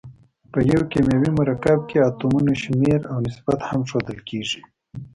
په یو کیمیاوي مرکب کې اتومونو شمیر او نسبت هم ښودل کیږي.